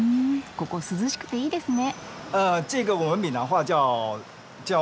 ここ涼しくていいですね。